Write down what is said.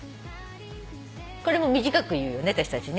これも短く言うよね私たち。